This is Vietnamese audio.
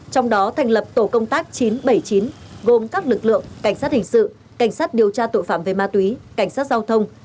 trong đó thành lập tổ công tác chín trăm bảy mươi chín gồm các lực lượng cảnh sát hình sự cảnh sát điều tra tội phạm về ma túy cảnh sát giao thông